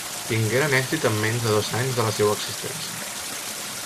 Tingueren èxit en menys de dos anys de la seua existència.